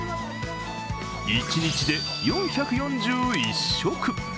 一日で４４１食。